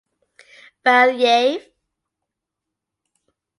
Belyaev.